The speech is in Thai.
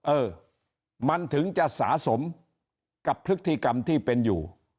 เออมันถึงจะสะสมกับพฤติกรรมที่เป็นอยู่